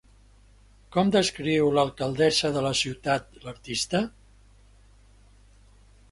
Com descriu l'alcaldessa de la ciutat l'artista?